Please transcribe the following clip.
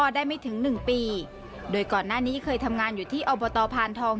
ได้ไม่ถึงหนึ่งปีโดยก่อนหน้านี้เคยทำงานอยู่ที่อบตพานทอง